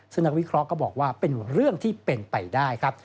ซึ่งนักวิเคราะห์ก็บอกว่าเป็นเรื่องที่เป็นไปได้ครับ